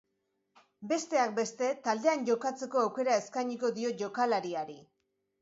Besteak beste, taldean jokatzeko aukera eskainiko dio jokalariari.